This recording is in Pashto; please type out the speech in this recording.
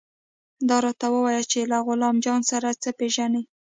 دا راته ووايه چې له غلام جان سره څه پېژنې.